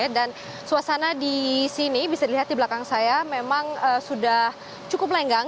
dan suasana di sini bisa dilihat di belakang saya memang sudah cukup lenggang